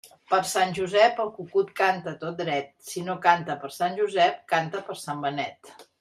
Per Sant Josep, el cucut canta tot dret; si no canta per Sant Josep, canta per Sant Benet.